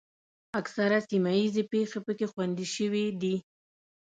اکثره سیمه ییزې پېښې پکې خوندي شوې دي.